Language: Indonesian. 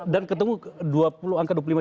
dan ketemu angka dua puluh lima juta